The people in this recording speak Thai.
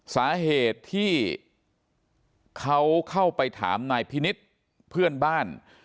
สาเหตุที่เขาเข้าไปถามนายพินิษฐ์เพื่อนบ้าน